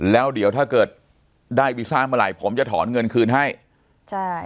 แล้วเดี๋ยวถ้าเกิดได้วีซ่าเมื่อไหร่ผมจะถอนเงินคืนให้ใช่